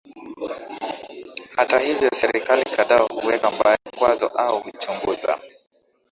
Hata hivyo serikali kadhaa huweka baadhi ya vikwazo au huchunguza